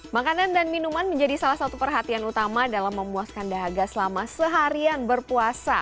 makanan dan minuman menjadi salah satu perhatian utama dalam memuaskan dahaga selama seharian berpuasa